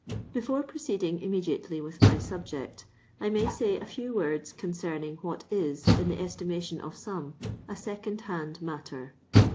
Before proceeding immediately with my sub ject, I may say a few words concerning what is, in the estimation of some, a second hand matter.